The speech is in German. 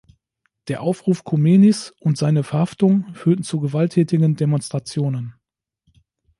Der Aufruf Chomeinis und seine Verhaftung führten zu gewalttätigen Demonstrationen.